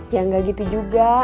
ya gak gitu juga